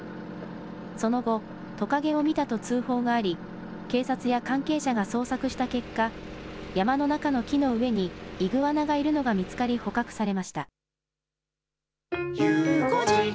その後、トカゲを見たと通報があり、警察や関係者が捜索した結果、山の中の木の上にイグアナがいるのが見つかり、捕獲されました。